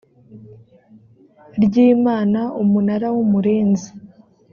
ry imana umunara w umurinzi